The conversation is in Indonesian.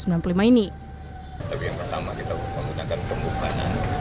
tapi yang pertama kita menggunakan pembubanan